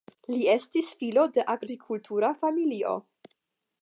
Li estis filo de agrikultura familio.